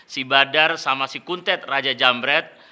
si badar sama si kuntet raja jambret